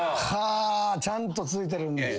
ちゃんとついてる。